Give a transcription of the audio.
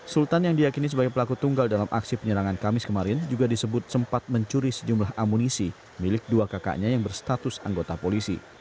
sultan yang diakini sebagai pelaku tunggal dalam aksi penyerangan kamis kemarin juga disebut sempat mencuri sejumlah amunisi milik dua kakaknya yang berstatus anggota polisi